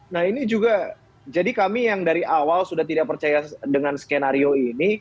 nah ini juga jadi kami yang dari awal sudah tidak percaya dengan skenario ini